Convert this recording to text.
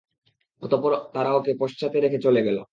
অতঃপর ওরা তাকে পশ্চাতে রেখে চলে গেল।